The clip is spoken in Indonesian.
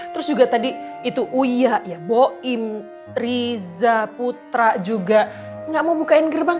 terus juga tadi itu uya ya boim riza putra juga nggak mau bukain gerbang